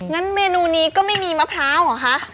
งั้นเมนูนี้ก็ไม่มีมะพร้าวเหรอคะ